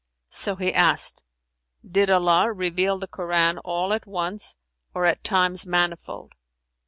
So he asked, "Did Allah reveal the Koran all at once or at times manifold?"